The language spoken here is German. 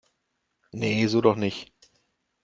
Nee, so doch nicht!